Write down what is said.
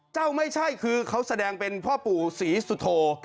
ไม่ใช่คือเขาแสดงเป็นพ่อปู่ศรีสุโธ